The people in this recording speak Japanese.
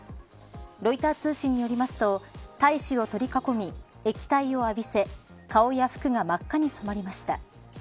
ロイター通信によりますと大使を取り囲み、液体を浴びせ顔や服が真っ赤に染まりました。